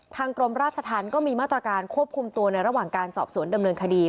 กรมราชธรรมก็มีมาตรการควบคุมตัวในระหว่างการสอบสวนดำเนินคดี